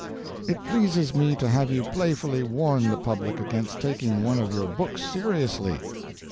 It pleases me to have you playfully warn the public against taking one of your books seriously.